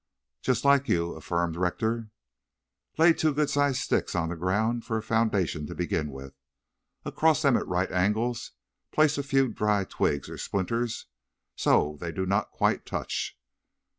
"Just like you," affirmed Rector. "Lay two good sized sticks on the ground for a foundation to begin with. Across them at right angles place a few dry twigs or splinters so they do not quite touch.